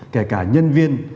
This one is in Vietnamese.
kể cả nhân viên